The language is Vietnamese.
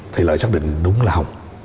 thì lợi xác định đúng là hồng